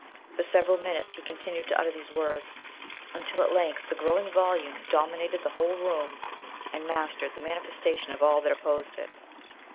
For several minutes he continued to utter these words, until at length the growing volume dominated the whole room and mastered the manifestation of all that opposed it.